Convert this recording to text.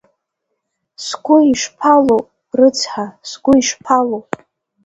Сгәы ишԥалоу, рыцҳа, сгәы иԥшалоу…